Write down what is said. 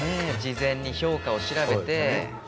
事前に評価をしらべて。